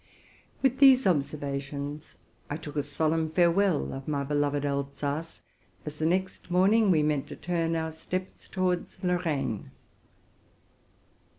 With these observations, I took a solemn farewell of my be loved Alsace, as the next morning we meant to turn our steps towards Lorraine.